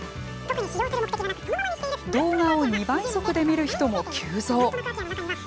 動画を２倍速で見る人も急増。